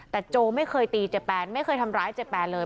แต่โจไม่เคยตีเจแปนไม่เคยทำร้ายเจแปนเลย